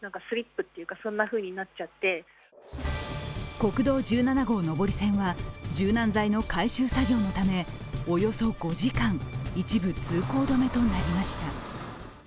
国道１７号上り線は柔軟剤の回収作業のため、およそ５時間、一部通行止めとなりました。